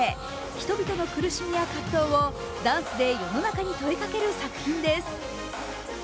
人々の苦しみや葛藤をダンスで世の中に問いかける作品です。